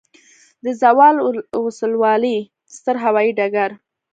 د زاول وسلوالی ستر هوایي ډګر